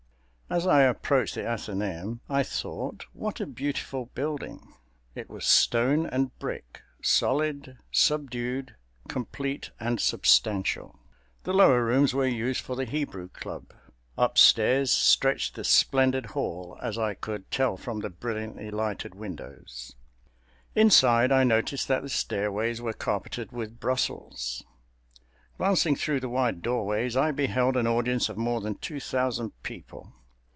As I approached the Athenæum I thought, "What a beautiful building!" It was stone and brick—solid, subdued, complete and substantial. The lower rooms were used for the Hebrew Club. Upstairs stretched the splendid hall, as I could tell from the brilliantly lighted windows. Inside, I noticed that the stairways were carpeted with Brussels. Glancing through the wide doorways, I beheld an audience of more than two thousand people.